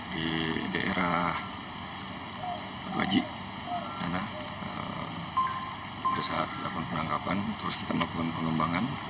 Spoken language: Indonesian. di daerah tuaji ada saat dilakukan penangkapan terus kita melakukan pengembangan